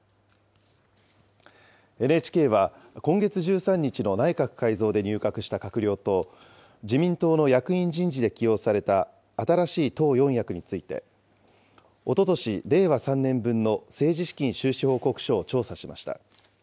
ＮＨＫは今月１３日の内閣改造で入閣した閣僚と、自民党の役員人事で起用された新しい党４役について、おととし・令和３年分の政治資金収支報告書を調査しました。